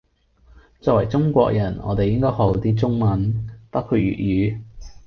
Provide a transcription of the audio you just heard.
作為中國人我哋應該學好啲中文，包括粵語